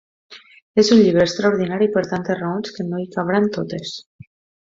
És un llibre extraordinari per tantes raons que no hi cabran totes.